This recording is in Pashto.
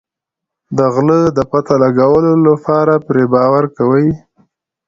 د غله د پته لګولو لپاره پرې باور کوي.